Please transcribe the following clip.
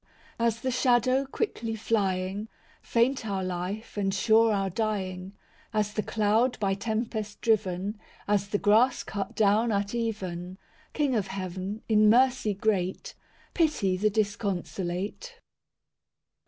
IV As the shadow quickly flying, Faint our life and sure our dying; As the cloud by tempest driven, As the grass cut down at even;— King of heaven, in mercy great, Pity the disconsolate.